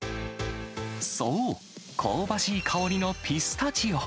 そう、香ばしい香りのピスタチオ。